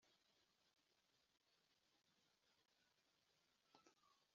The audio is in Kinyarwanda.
kirango cy ibicuruzwa ku isura y umucuruzi ku